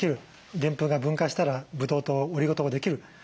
でんぷんが分解したらブドウ糖オリゴ糖ができる。